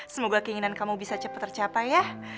semoga keinginan kamu bisa cepat tercapai ya